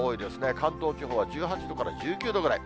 関東地方は１８度から１９度ぐらい。